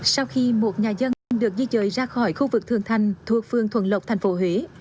sau khi một nhà dân được di rời ra khỏi khu vực thượng thành thuộc phương thuận lộc thành phố huế